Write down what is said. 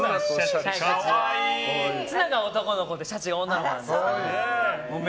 ツナが男の子でシャチが女の子なんです。